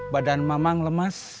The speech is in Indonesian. badan mamang lemas